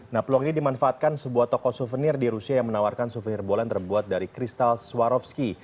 nah peluang ini dimanfaatkan sebuah toko souvenir di rusia yang menawarkan souvenir bola yang terbuat dari kristal swarovski